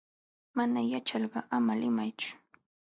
Mana yaćhalqa ama limaychu.